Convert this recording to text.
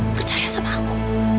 percaya sama aku